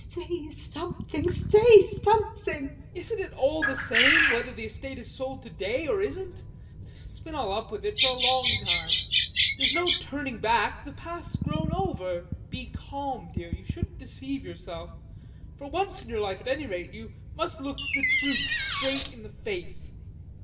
Say something, say something. TROFIMOV. Isn't it all the same whether the estate is sold to day or isn't? It's been all up with it for a long time; there's no turning back, the path's grown over. Be calm, dear, you shouldn't deceive yourself, for once in your life at any rate you must look the truth straight in the face.